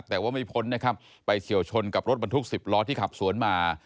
แต่ว่าไม่พ้นนะครับไปเฉียวชนกับรถบรรทุก๑๐ล้อที่ขับสวนมา